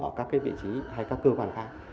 ở các cái vị trí hay các cơ quan khác